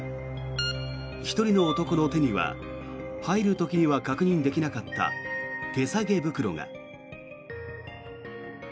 １人の男の手には入る時には確認できなかった手提げ袋が。